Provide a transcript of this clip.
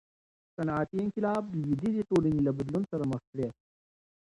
صنعتي انقلاب لویدیځې ټولني له بدلون سره مخ کړې.